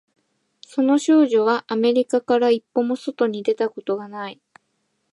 その少女はアメリカから一歩も外に出たことがない